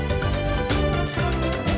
teganya teganya teganya